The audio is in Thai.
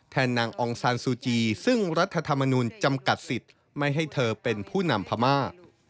นางองซานซูจีซึ่งรัฐธรรมนุนจำกัดสิทธิ์ไม่ให้เธอเป็นผู้นำพม่า